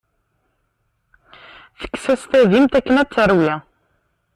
Tekkes-as tadimt akken ad t-terwi.